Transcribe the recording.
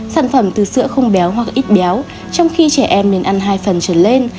sản phẩm từ sữa không béo hoặc ít béo trong khi trẻ em nên ăn hai phần trở lên